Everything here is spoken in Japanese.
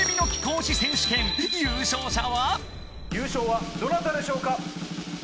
優勝はどなたでしょうか？